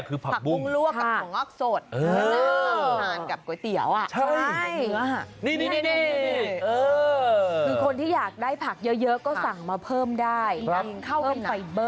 ต้องบอกว่าสดใหม่ให้เยอะ